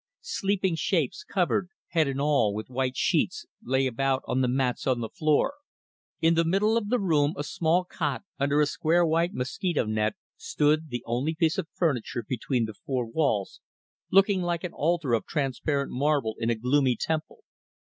Sleeping shapes, covered head and all with white sheets, lay about on the mats on the floor. In the middle of the room a small cot, under a square white mosquito net, stood the only piece of furniture between the four walls looking like an altar of transparent marble in a gloomy temple.